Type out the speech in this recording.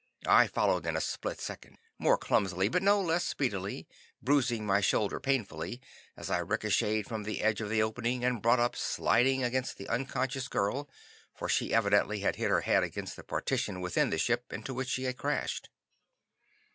I followed in a split second, more clumsily, but no less speedily, bruising my shoulder painfully, as I ricocheted from the edge of the opening and brought up sliding against the unconscious girl; for she evidently had hit her head against the partition within the ship into which she had crashed.